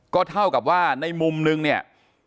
ก็เท่ากับว่าในมุมนึงเนี่ย